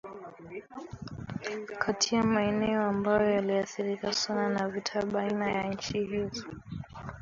kati ya maeneo ambayo yaliathirika sana na vita baina ya nchi hizo